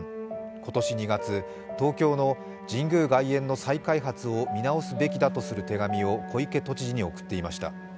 今年２月、東京の神宮外苑の再開発を見直すべきだとする手紙を、小池都知事に送っていました。